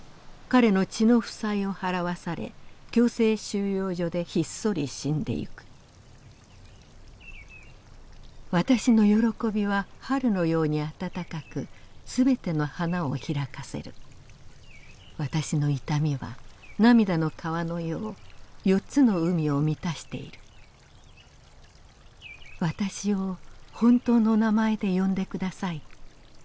彼の『血の負債』を払わされ強制収容所でひっそり死んでゆく私の喜びは春のように温かくすべての花を開かせる私の痛みは涙の川のよう四つの海を満たしている私を本当の名前で呼んでください